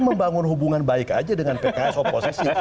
membangun hubungan baik aja dengan pks oposisi